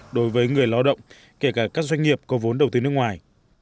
đối với người lao động kể cả các doanh nghiệp có vốn đầu tư nước ngoài